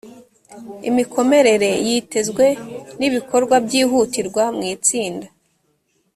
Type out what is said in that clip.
imikomerere yitezwe n ibikorwa byihutirwa mu itsinda